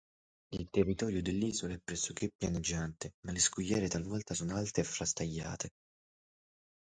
Il territorio dell'isola è pressoché pianeggiante, ma le scogliere talvolta sono alte e frastagliate.